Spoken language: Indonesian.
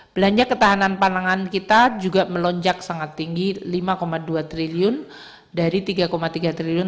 belanja ketahanan pangan kita juga melonjak sangat tinggi lima dua triliun dari rp tiga tiga triliun